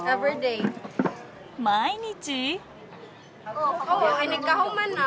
毎日！？